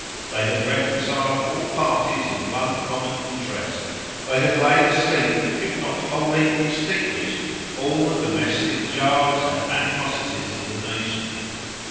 They had reconciled all parties in one common interest; they had laid asleep, if not wholly extinguished, all the domestic jars and animosities of the nation.